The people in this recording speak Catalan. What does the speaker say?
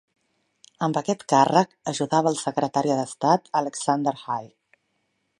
Amb aquest càrrec, ajudava el secretari d'estat Alexander Haig.